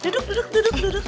duduk duduk duduk